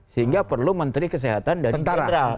sehingga perlu menteri kesehatan dan kedral